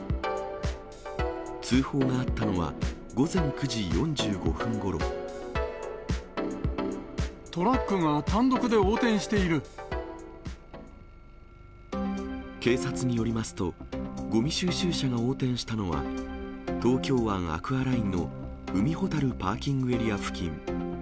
通報があったのは、午前９時４５トラックが単独で横転してい警察によりますと、ごみ収集車が横転したのは、東京湾アクアラインの海ほたるパーキングエリア付近。